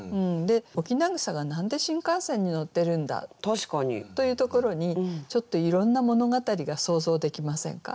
翁草が何で新幹線に乗ってるんだ？というところにちょっといろんな物語が想像できませんか。